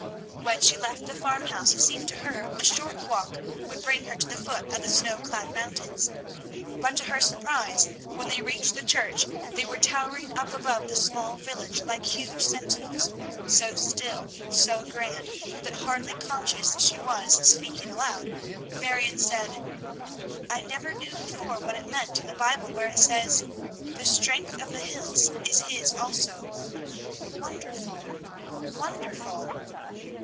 When she left the farmhouse it seemed to her a short walk would bring her to the foot of the snow clad mountains; but, to her surprise, when they reached the church they were towering up above the small village like huge sentinels, so still, so grand, that, hardly conscious she was speaking aloud, Marion said, "I never knew before what it meant in the Bible where it says, 'The strength of the hills is his also.' Wonderful! wonderful!"